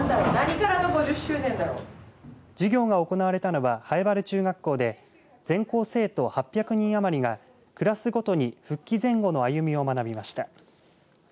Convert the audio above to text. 授業が行われたのは南風原中学校で全校生徒８００人余りがクラスごとに復帰前後の歩みを学びました。